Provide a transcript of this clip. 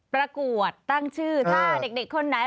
ประกวดตั้งชื่อถ้าเด็กคนไหน